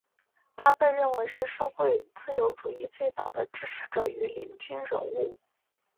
他被认为是社会自由主义最早的支持者与领军人物。